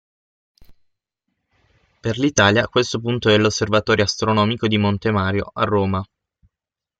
Per l'Italia questo punto è l'Osservatorio astronomico di Monte Mario, a Roma.